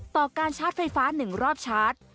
ต่อการชาร์จไฟฟ้า๑รอบชาร์จ